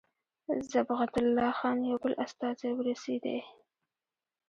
صبغت الله خان یو بل استازی ورسېدی.